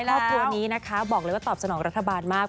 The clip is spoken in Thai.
ครอบครัวนี้นะคะบอกเลยว่าตอบสนองรัฐบาลมาก